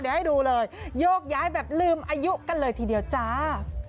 เดี๋ยวให้ดูเลยโยกย้ายแบบลืมอายุกันเลยทีเดียวจ้า